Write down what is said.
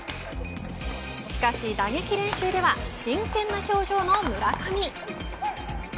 しかし、打撃練習では真剣な表情の村上。